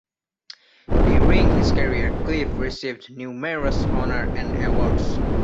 During his career Cliff received numerous honor and awards.